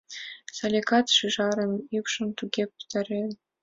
Саликат «шӱжарын» ӱпшым туго пӱтыралеш...